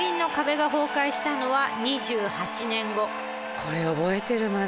これ覚えてるまだ。